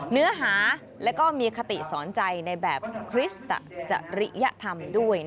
เนื้อหาและก็มีคติสอนใจในแบบคริสต์จริยธรรมด้วย